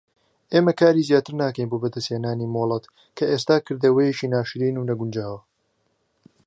ئێمە کاری زیاتر ناکەیت بۆ بەدەستهێنانی مۆڵەت کە ئێستا کردەوەیەکی ناشرین و نەگونجاوە.